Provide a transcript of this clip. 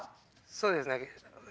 そうですね。